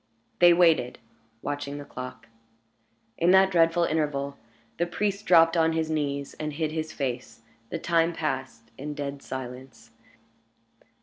They waited, watching the clock. In that dreadful interval, the priest dropped on his knees and hid his face. The time passed in dead silence.